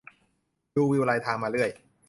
ดูวิวรายทางมาเรื่อย